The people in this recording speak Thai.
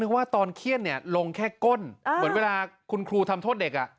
ว่าตอนเขี้ยนลงแค่ก้นเหมือนเวลาคุณครูทำโทษเด็ก